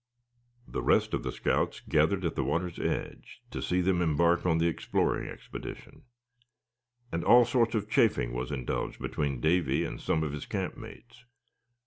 The rest of the scouts gathered at the water's edge to see them embark on the exploring expedition; and all sorts of chaffing was indulged in between Davy and some of his camp mates.